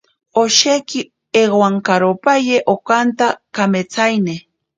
Osheki ewankaropaye okanta kametsaine.